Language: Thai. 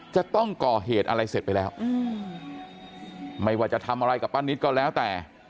จะต้องก่อเหตุอะไรเสร็จไปแล้วไม่ว่าจะทำอะไรกับป้านิตก็แล้วแต่